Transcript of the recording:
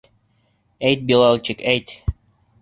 Әйт, Билалчик, әйт!